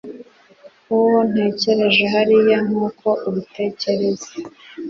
uwo ntegereje hariya nkuko ubitekereza